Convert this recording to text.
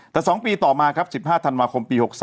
แต่๒ปีต่อมาครับ๑๕ธันวาคมปี๖๓